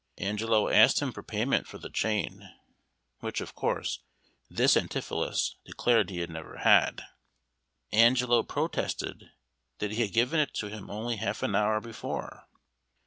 Angelo asked him for payment for the chain, which, of course, this Antipholus declared he had never had. Angelo protested that he had given it him only half an hour before.